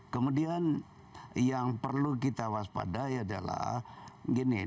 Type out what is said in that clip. kemudian yang perlu kita waspadai adalah gini